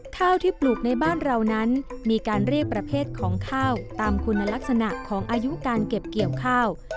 ข้าวที่ปลูกในบ้านเรานั้นมีการเรียกประเภทของข้าวตามคุณลักษณะของอายุการเก็บเกี่ยวข้าว